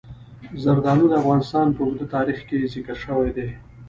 زردالو د افغانستان په اوږده تاریخ کې ذکر شوي دي.